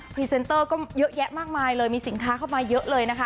รีเซนเตอร์ก็เยอะแยะมากมายเลยมีสินค้าเข้ามาเยอะเลยนะคะ